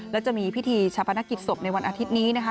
และจะมีพิธีชาปนกิจศพในวันอาทิตย์นี้นะคะ